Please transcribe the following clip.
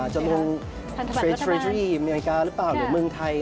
ก็อาจจะลงเยือนกราชินการตั่งเทรดไทย